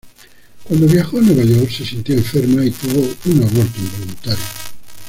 Cuando viajó a Nueva York se sintió enferma y tuvo un aborto involuntario.